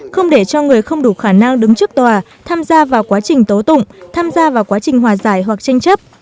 không để cho người không đủ khả năng đứng trước tòa tham gia vào quá trình tố tụng tham gia vào quá trình hòa giải hoặc tranh chấp